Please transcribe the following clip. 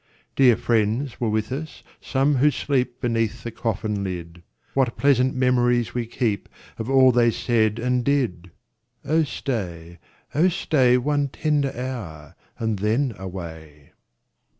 Dear friends were with us, some who sleep Beneath the coffin lid : What pleasant memories we keep Of all they said and did ! Oh stay, oh stay, One tender hour, and then away.